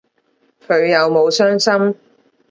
佢有冇傷心